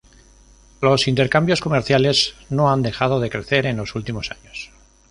Los intercambios comerciales no han dejado de crecer en los últimos años.